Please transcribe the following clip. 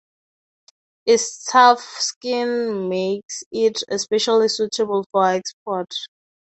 Its tough skin makes it "especially suitable for export".